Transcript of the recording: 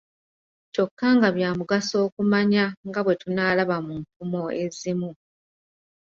Kyokka nga bya mugaso okumanya nga bwe tunaalaba mu nfumo ezimu.